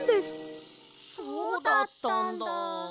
そうだったんだ。